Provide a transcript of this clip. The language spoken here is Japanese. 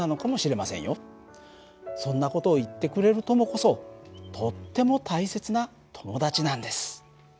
そんな事を言ってくれる友こそとっても大切な友達なんです。